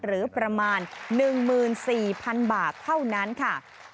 หรือประมาณ๑๔๐๐๐บาทเท่านั้นค่ะ